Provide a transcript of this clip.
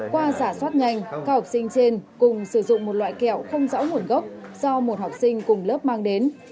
qua giả soát nhanh các học sinh trên cùng sử dụng một loại kẹo không rõ nguồn gốc do một học sinh cùng lớp mang đến